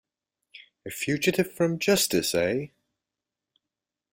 A fugitive from justice, eh?